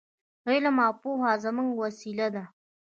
علم او پوهه زموږ وسلې دي.